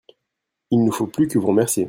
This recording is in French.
Il nous faut plus que vous remercier.